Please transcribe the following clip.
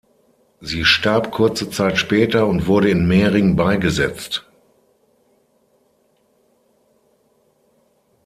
Sie starb kurze Zeit später und wurde in Mering beigesetzt.